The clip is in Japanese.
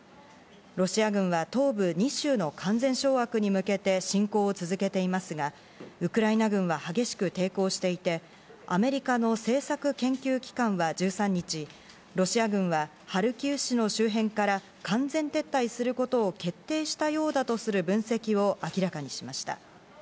ロシア軍は東部２州の完全掌握に向けて、親交を続けていますが、ウクライナ軍は激しく抵抗していて、アメリカの政策研究機関は１３日、ロシア軍はハルキウ市の周辺から完全撤退することを決定したようだとする分析を明らかにしました。